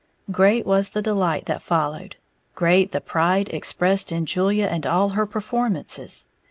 Great was the delight that followed, great the pride expressed in Julia and all her performances.